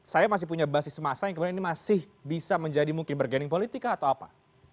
saya masih punya basis masa yang kemudian ini masih bisa menjadi mungkin bergaining politika atau apa